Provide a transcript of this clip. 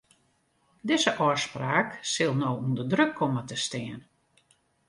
Dizze ôfspraak sil no ûnder druk komme te stean.